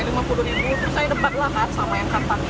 terus akhirnya yang biru dongkering didatangkan ngomongnya agak slow lagi